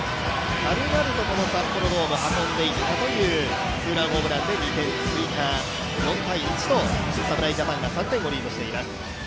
軽々と札幌ドームに運んでいったというツーランホームランで２点追加、４−１と侍ジャパンが３点をリードしています。